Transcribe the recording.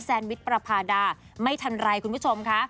วิทย์ประพาดาไม่ทันไรคุณผู้ชมค่ะ